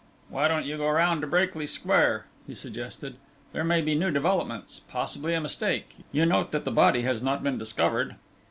"Why don't you go round to Brakely Square?" he suggested. "There may be new developments possibly a mistake. You note that the body has not been discovered."